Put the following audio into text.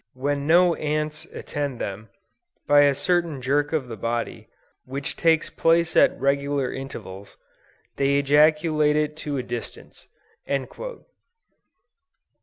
When no ants attend them, by a certain jerk of the body, which takes place at regular intervals, they ejaculate it to a distance."